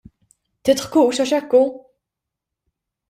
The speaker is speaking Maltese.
Tidħkux għax hekk hu!